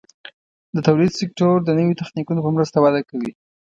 د تولید سکتور د نوي تخنیکونو په مرسته وده کوي.